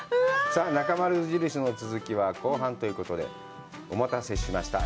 さあ、なかまる印の続きは後半ということで、お待たせしました。